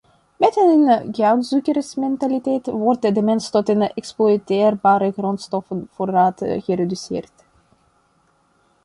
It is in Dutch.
Met een goudzoekersmentaliteit wordt de mens tot een exploiteerbare grondstoffenvoorraad gereduceerd.